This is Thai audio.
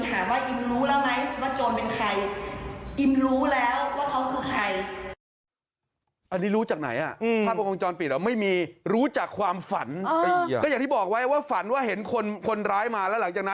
ถามว่าอิมรู้แล้วไหมว่าโจรเป็นใคร